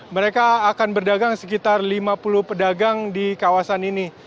mereka akan berdagang sekitar lima puluh pedagang di kawasan ini